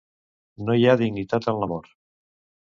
No hi ha dignitat en l'amor.